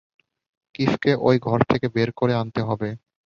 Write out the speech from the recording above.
কিফকে ওই ঘর থেকে বের করে আনতে হবে।